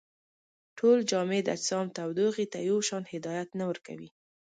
ټول جامد اجسام تودوخې ته یو شان هدایت نه ورکوي.